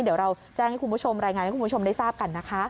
เดี๋ยวเราแจ้งให้คุณผู้ชมรายงานให้คุณผู้ชมได้ทราบกันนะคะ